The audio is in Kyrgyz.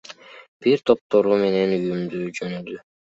Бир топтору менин үйүмө жөнөдү.